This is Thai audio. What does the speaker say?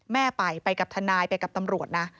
แม่ไปไปกับทนายไปกับตำรวจนะ